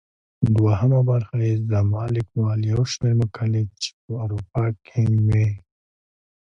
دوهمه برخه يې زما ليکوال يو شمېر مقالې چي په اروپا کې مي.